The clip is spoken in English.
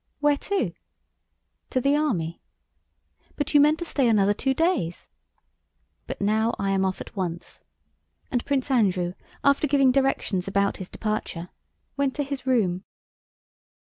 "Where to?" "To the army." "But you meant to stay another two days?" "But now I am off at once." And Prince Andrew after giving directions about his departure went to his room.